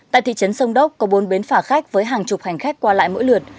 tại thị trấn sông đốc có bốn bến phả khách với hàng chục hành khách qua lại mỗi lượt